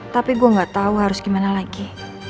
tapi gue gak tau harus gimana lagi